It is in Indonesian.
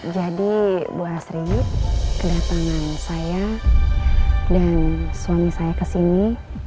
jadi bu asri kedatangan saya dan suami saya kesini